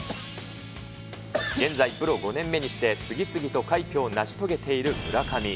現在、プロ５年目にして次々と快挙を成し遂げている村上。